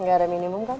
gak ada minimum kan